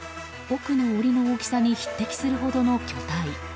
奥の檻の大きさに匹敵するほどの巨体。